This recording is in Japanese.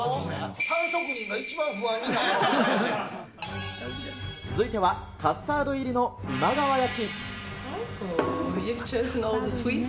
パン職人が一番不安になるや続いては、カスタード入りの今川焼き。